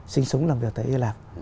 sinh sống làm việc tại hy lạp